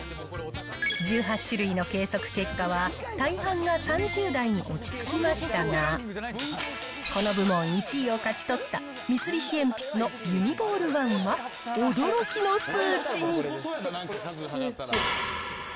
１８種類の計測結果は、大半が３０台に落ち着きましたが、この部門１位を勝ち取った、三菱鉛筆のユニボールワンは、驚きの数値に。